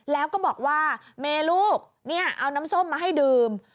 แล้วก็บอกว่าเมลูกเนี่ยเอาน้ำส้มมาให้ดื่ม